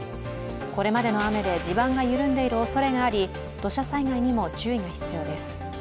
これまでの雨で地盤が緩んでいるおそれがあり土砂災害にも注意が必要です。